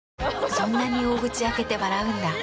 そんなに大口開けて笑うんだ。